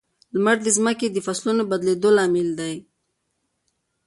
لمر د ځمکې د فصلونو د بدلېدو لامل دی.